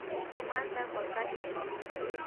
Pimanda huakasha.